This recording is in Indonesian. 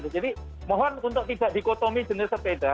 jadi mohon untuk tidak dikotomi jenis sepeda